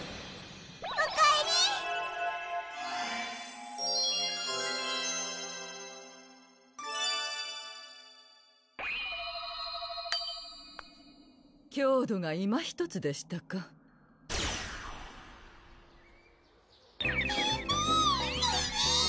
おかえり強度がいまひとつでしたかピピー！